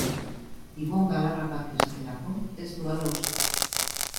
Ibon Galarragak, esaterako, ez du hala uste.